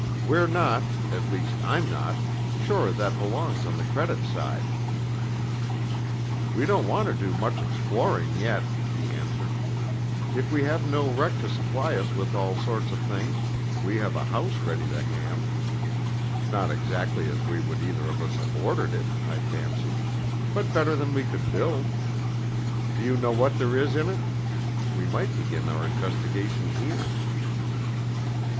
We're not, at least I'm not, sure that belongs on the credit side." "We don't want to do much exploring yet," he answered. "If we have no wreck to supply us with all sorts of things, we have a house ready to hand, not exactly as we would either of us have ordered it, I fancy, but better than we could build. Do you know what there is in it? We might begin our investigations here."